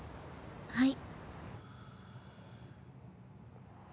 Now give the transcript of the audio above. はい。